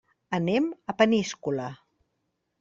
Anem a Peníscola.